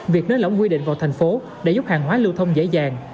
việc nới lỏng quy định vào thành phố để giúp hàng hóa lưu thông dễ dàng